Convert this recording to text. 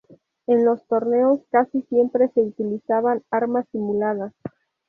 En los torneos casi siempre se utilizaban armas simuladas.